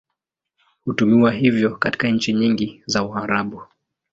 Hutumiwa hivyo katika nchi nyingi za Waarabu.